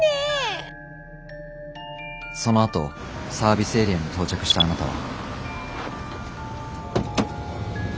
そのあとサービスエリアに到着したあなたは。